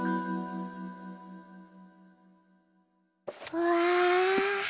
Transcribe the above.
うわ。